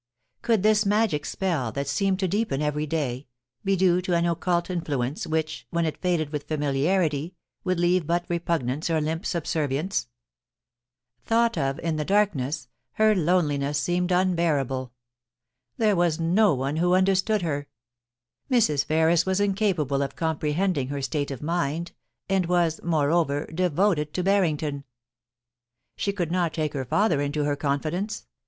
Could this magic spell, that seemed to deepen every day, be due to an occult influence which, when it faded with familiarity, would leave but repugnance or limp subservience ? Thought of in the darkness, her loneliness seemed unbearable. There was no one who understood her. Mrs. Ferris was incapable of comprehending her state of mind, and was, moreover, devoted to Barrington. She could not take her father into her confidence.